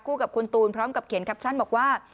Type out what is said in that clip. กับคุณตูนพร้อมกับเขียนแคปชั่นบอกว่า